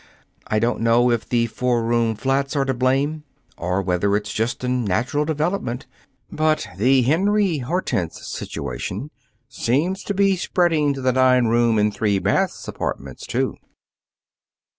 I don't know if the four room flats are to blame, or whether it's just a natural development. But the Henry Hortense situation seems to be spreading to the nine room and three baths apartments, too."